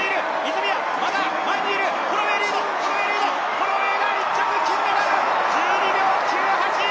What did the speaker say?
ホロウェイが１着、金メダル、１２秒９８！